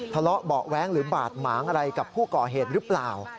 ทะเลาะเบาะแว้งหรือบาดหมางอะไรกับผู้ก่อเหตุหรือเปล่า